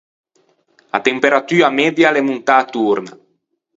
A temperatua media a l’é montâ torna.